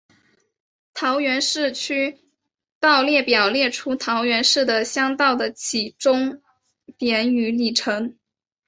桃园市区道列表列出桃园市的乡道的起终点与里程。